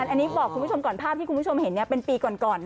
อันนี้บอกคุณผู้ชมก่อนภาพที่คุณผู้ชมเห็นเป็นปีก่อน